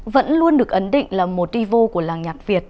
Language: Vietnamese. vẫn luôn được ấn định là một ivo của làng nhạc việt